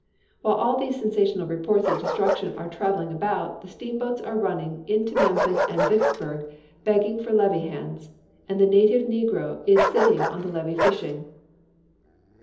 While all these sensational reports of destitution are traveling about, the steamboats are running into Memphis and Vicksburg begging for levee hands, and the native negro is sitting on the levee fishing."